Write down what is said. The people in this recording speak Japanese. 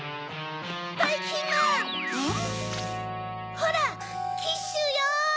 ほらキッシュよ！